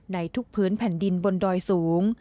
ในทุกพื้นแผ่นดินบนดอยสูง